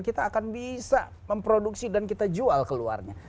kita akan bisa memproduksi dan kita jual keluarnya